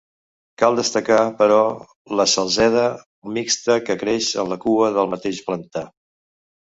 Cal destacar, però, la salzeda mixta que creix a la cua del mateix pantà.